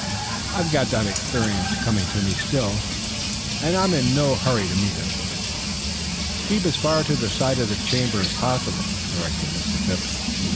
"I've got that experience coming to me still, and I'm in no hurry to meet it." "Keep as far to the side of this chamber as possible," directed Mr. Phipps.